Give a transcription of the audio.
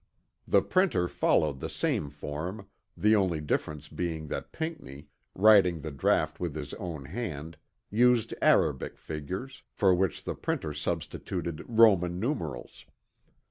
The printer followed the same form, the only difference being that Pinckney, writing the draught with his own hand, used arabic figures, for which the printer substituted Roman numerals.